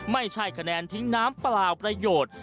ไม่ใช่คะแนนทิ้งน้ำเปล่าประโยชน์